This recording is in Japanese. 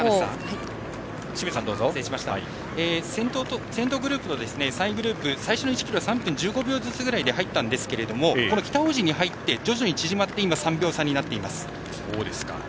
先頭グループと３位グループ最初の１ｋｍは３分１５秒ずつくらいで入ったんですが北大路に入って徐々に縮まって３秒差になっています。